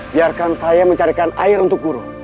biarkan saya mencarikan air untuk guru